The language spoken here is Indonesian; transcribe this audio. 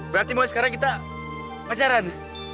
berarti mau sekarang kita pacaran